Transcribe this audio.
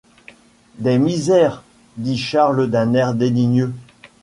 Des misères, dit Charles d’un air dédaigneux.